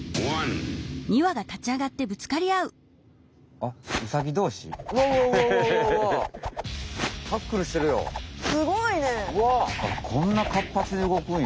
あっこんなかっぱつに動くんや。